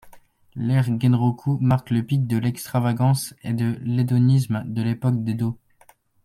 L'ère Genroku marque le pic de l'extravagance et de l'hédonisme de l'époque d'Edo.